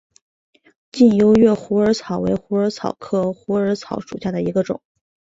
近优越虎耳草为虎耳草科虎耳草属下的一个种。